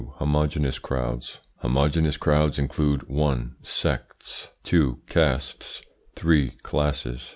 HOMOGENEOUS CROWDS Homogeneous crowds include: 1. Sects; 2. Castes; 3. Classes.